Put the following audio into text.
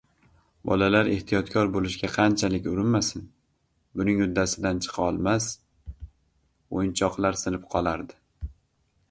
Bolalar ehtiyotkor boʻlishga qanchalik urinmasin, buning uddasidan chiqa olmas, oʻyinchoqlar sinib qolardi.